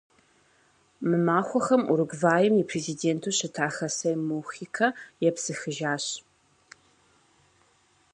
Мы махуэхэм Уругваим и президенту щыта Хосе Мухикэ епсыхыжащ.